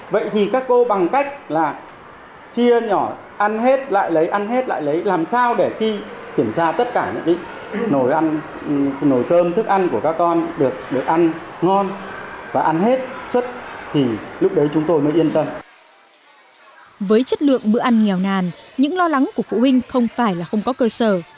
với chất lượng bữa ăn nghèo nàn những lo lắng của phụ huynh không phải là không có cơ sở